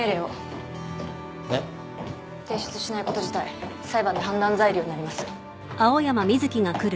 えっ？提出しないこと自体裁判で判断材料になります。